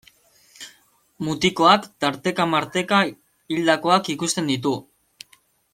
Mutikoak tarteka-marteka hildakoak ikusten ditu.